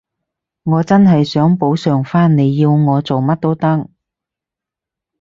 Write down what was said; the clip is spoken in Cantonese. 我真係想補償返，你要我做乜都得